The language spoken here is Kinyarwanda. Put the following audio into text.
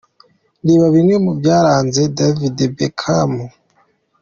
Reba bimwe mu byaranze David Beckham:.